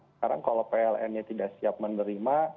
sekarang kalau pln nya tidak siap menerima